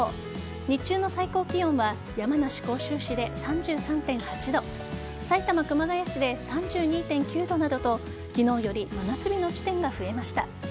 日中の最高気温は山梨・甲州市で３３．８度埼玉・熊谷市で３２．９度などと昨日より真夏日の地点が増えました。